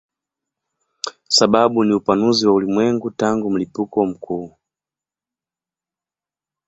Sababu ni upanuzi wa ulimwengu tangu mlipuko mkuu.